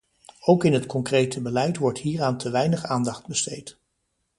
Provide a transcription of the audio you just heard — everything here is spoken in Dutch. Ook in het concrete beleid wordt hieraan te weinig aandacht besteed.